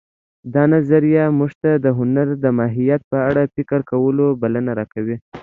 دا نظریه موږ ته د هنر د ماهیت په اړه فکر کولو بلنه راکوي